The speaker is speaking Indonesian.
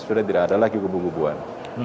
sudah tidak ada lagi hubung hubungan